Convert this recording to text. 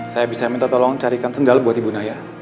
saya bisa minta tolong carikan sendal buat ibu naya